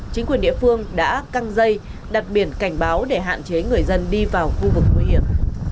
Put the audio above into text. chính quyền địa phương đã căng dây đặt biển cảnh báo để hạn chế người dân đi vào khu vực nguy hiểm